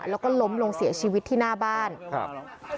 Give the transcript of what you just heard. แล้วก็ล้มลงเสียชีวิตที่หน้าบ้านครับ